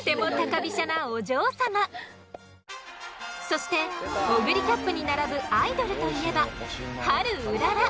そしてオグリキャップに並ぶアイドルといえばオーイシの推しウマ。